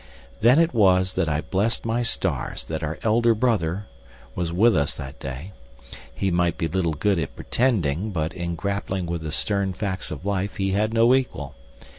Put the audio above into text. Then it was that I blessed my stars that our elder brother was with us that day, he might be little good at pretending, but in grappling with the stern facts of life he had no equal.